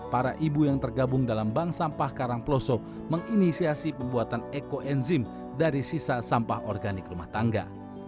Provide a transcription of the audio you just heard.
para ibu yang tergabung dalam bank sampah karangploso menginisiasi pembuatan ekoenzim dari sisa sampah organik rumah tangga